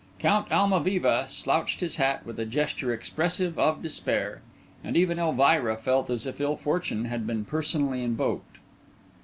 Count Almaviva slouched his hat with a gesture expressive of despair, and even Elvira felt as if ill fortune had been personally invoked.